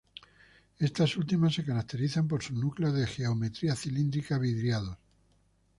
Estas últimas se caracterizan por sus núcleos de geometría cilíndrica, vidriados.